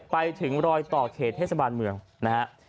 ไปถึงรอยต่อเขตเทศบาลเมืองนะฮะ